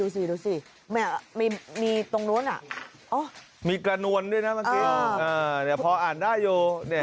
ดูสิดูสิมีตรงนู้นมีกระนวลด้วยนะเมื่อกี้พออ่านได้อยู่